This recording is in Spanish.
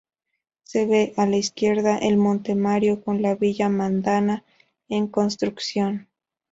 Se ve, a la izquierda, el monte Mario, con la Villa Madama en construcción.